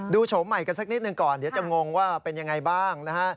โฉมใหม่กันสักนิดหนึ่งก่อนเดี๋ยวจะงงว่าเป็นยังไงบ้างนะฮะ